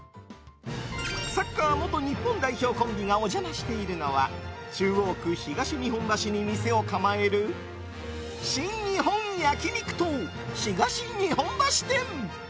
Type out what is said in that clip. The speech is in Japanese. サッカー元日本代表コンビがお邪魔しているのは中央区東日本橋に店を構える新日本焼肉党東日本橋店。